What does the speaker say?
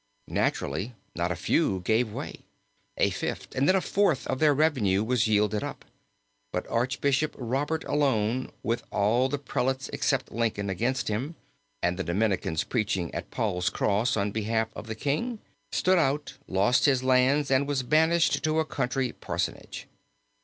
Naturally, not a few gave way; a fifth, and then a fourth, of their revenue was yielded up. But Archbishop Robert alone, with all the prelates except Lincoln against him, and the Dominicans preaching at Paul's cross on behalf of the king, stood out, lost his lands, and was banished to a country parsonage.